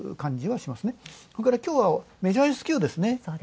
それから今日はメジャーＳＱです。